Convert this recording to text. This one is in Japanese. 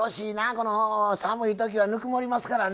この寒い時はぬくもりますからね。